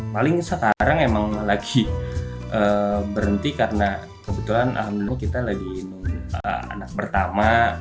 paling sekarang emang lagi berhenti karena kebetulan alhamdulillah kita lagi nunggu anak pertama